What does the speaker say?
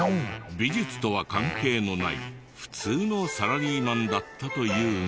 美術とは関係のない普通のサラリーマンだったというが。